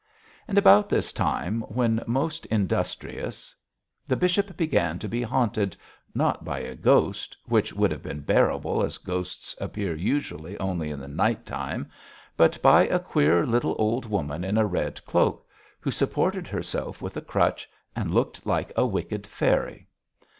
And about this time, when most industrious, the bishop began to be haunted, not by a ghost, which would have been bearable as ghosts appear usually only in the nighttime, but by a queer little old woman in a red cloak, who supported herself with a crutch and looked like a wicked fairy.